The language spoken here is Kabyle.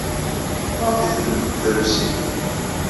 Maɣef ay tlemdem tarusit?